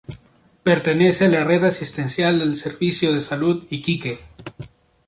Pertenece a la red asistencial del Servicio de Salud Iquique.